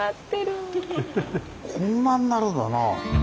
こんなになるんだなあ。